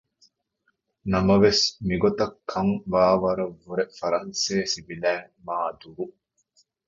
ނަމަވެސް މިގޮތަށް ކަން ވާވަރަށްވުރެ ފަރަންސޭސިވިލާތް މާ ދުރު